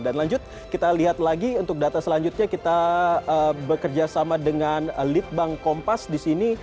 dan lanjut kita lihat lagi untuk data selanjutnya kita bekerja sama dengan litbang kompas disini